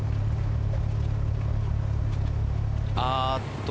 あっと。